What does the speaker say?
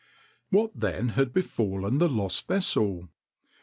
What then had befallen the lost vessel?